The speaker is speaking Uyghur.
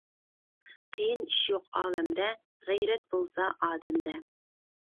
قىيىن ئىش يوق ئالەمدە، غەيرەت بولسا ئادەمدە.